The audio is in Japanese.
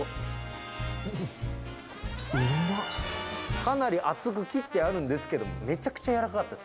かなり厚く切ってあるんですけれども、めちゃくちゃやわらかかったです。